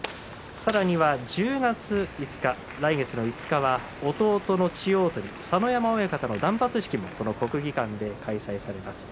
さらには１０月５日弟の千代鳳佐ノ山親方の断髪式がこの国技館で開催されます。